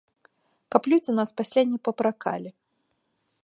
Каб людзі нас пасля не папракалі.